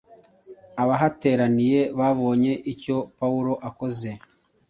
Abahateraniye babonye icyo Pawulo akoze,